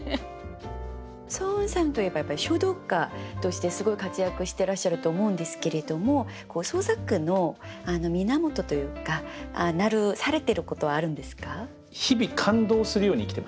双雲さんといえばやっぱり書道家としてすごい活躍してらっしゃると思うんですけれども創作の源というかされてることはあるんですか？